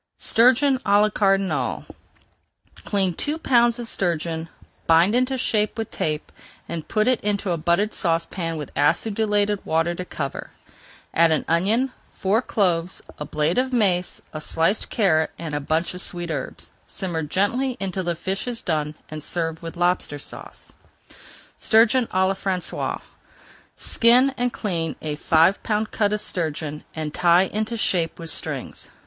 STURGEON À LA CARDINAL Clean two pounds of sturgeon, bind into shape with tape, and put it into a buttered saucepan with acidulated water to cover. Add an onion, four cloves, a blade of mace, a sliced carrot, and a bunch of sweet herbs. Simmer gently until the fish is done and serve with Lobster Sauce. STURGEON À LA FRANÇAISE Skin and clean a five pound cut of sturgeon, and tie into shape with strings.